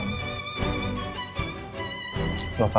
masuk duluan ke dalam